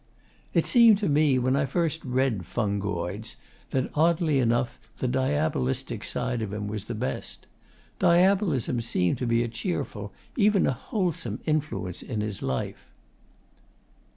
It seemed to me, when first I read 'Fungoids,' that, oddly enough, the Diabolistic side of him was the best. Diabolism seemed to be a cheerful, even a wholesome, influence in his life.